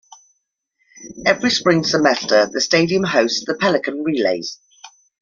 Every spring semester, the stadium hosts the Pelican Relays.